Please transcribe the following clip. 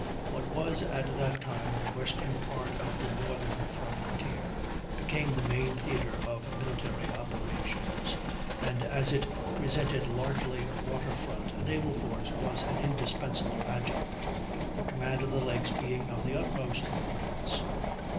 What was at that time the western part of the northern frontier became the main theatre of military operations, and as it presented largely a water front, a naval force was an indispensable adjunct, the command of the lakes being of the utmost importance.